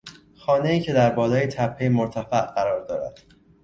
خانهای که در بالای تپهی مرتفع قرار دارد